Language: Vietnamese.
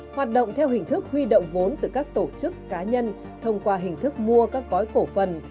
hoạt động theo hình thức huy động vốn từ các tổ chức cá nhân thông qua hình thức mua các gói cổ phần